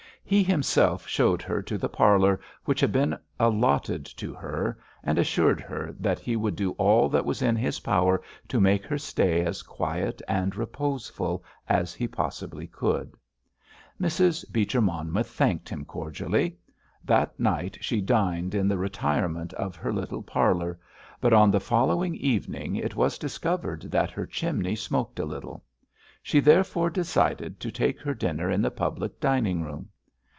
He himself showed her to the parlour which had been allotted to her, and assured her that he would do all that was in his power to make her stay as quiet and reposeful as he possibly could. Mrs. Beecher Monmouth thanked him cordially. That night she dined in the retirement of her little parlour, but on the following evening it was discovered that her chimney smoked a little. She therefore decided to take her dinner in the public dining room.